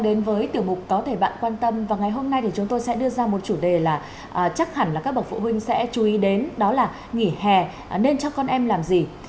đến hết ngày hai mươi tháng bảy năm hai nghìn một mươi chín